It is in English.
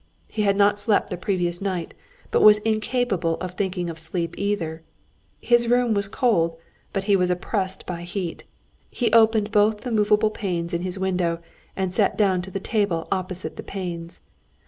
He had not slept the previous night, but was incapable of thinking of sleep either. His room was cold, but he was oppressed by heat. He opened both the movable panes in his window and sat down to the table opposite the open panes.